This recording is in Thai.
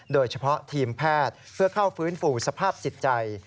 โดยเฉพาะทีมแพทย์เพื่อเข้าฟื้นฟูสภาพจิตใจ